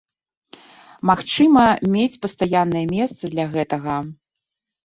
Магчыма, мець пастаяннае месца для гэтага.